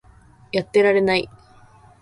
やってられない